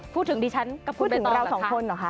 ดิฉันก็พูดถึงเราสองคนเหรอคะ